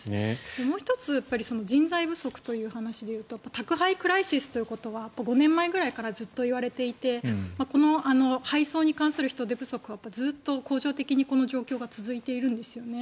もう１つ人材不足という話でいうと宅配クライシスということは５年ぐらい前からずっと言われていてこの配送に関する人手不足をずっと恒常的にこの状況が続いているんですよね。